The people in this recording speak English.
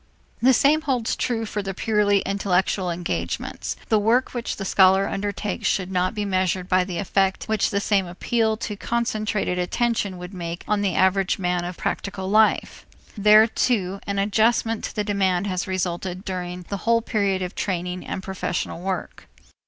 The same holds true for the purely intellectual engagements. The work which the scholar undertakes should not be measured by the effect which the same appeal to concentrated attention would make on the average man of practical life. There, too, an adjustment to the demand has resulted during the whole period of training and professional work.